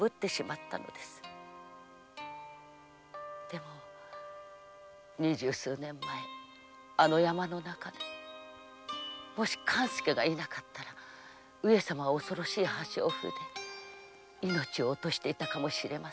でも二十数年前あの山の中でもし勘助が居なかったら上様は恐ろしい破傷風で命を落としていたかもしれません。